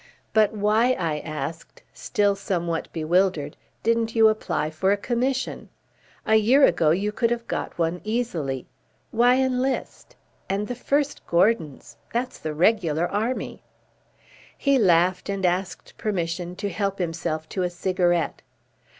"But why," I asked, still somewhat bewildered, "didn't you apply for a commission? A year ago you could have got one easily. Why enlist? And the 1st Gordons that's the regular army." He laughed and asked permission to help himself to a cigarette.